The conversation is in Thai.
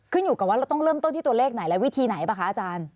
อยู่กับว่าเราต้องเริ่มต้นที่ตัวเลขไหนและวิธีไหนป่ะคะอาจารย์